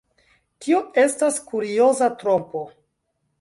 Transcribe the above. Tio estas kurioza trompo.